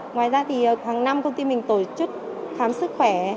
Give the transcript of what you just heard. ngoài ra thì hàng năm công ty mình tổ chức khám sức khỏe